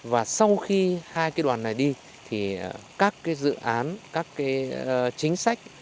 và sau khi hai cái đoàn này đi thì các cái dự án các cái chính sách